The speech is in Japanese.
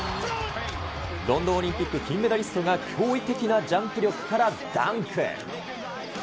ロンドンオリンピック金メダリストが、驚異的なジャンプ力からダンク。